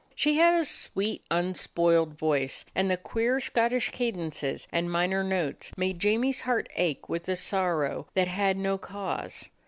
She had a sweet, unspoiled voice, and the queer Scottish cadences and minor notes made Jamie's heart ache with a sorrow that had no cause.